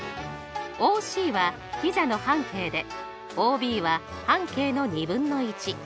ＯＣはピザの半径でＯＢは半径の２分の１。